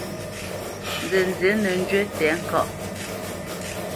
Nzənzí nə́ njywi tɛ̌ŋkaʼ.